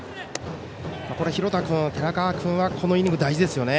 廣田君、寺川君はこのイニング大事ですよね。